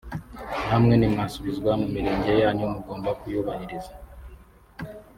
namwe nimwasubizwa mu Mirenge yanyu mugomba kuyubahiriza